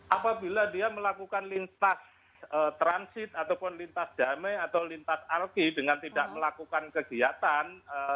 apabila dia melakukan lintas transit ataupun lintas damai atau lintas alki dengan tidak melakukan kegiatan